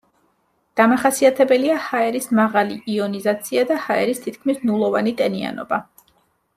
დამახასიათებელია ჰაერის მაღალი იონიზაცია და ჰაერის თითქმის ნულოვანი ტენიანობა.